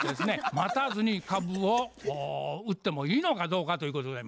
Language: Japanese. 待たずに株を売ってもいいのかどうかということでございます。